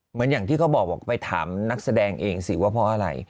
อย่างที่เขาบอกบอกไปถามนักแสดงเองสิว่าเพราะอะไร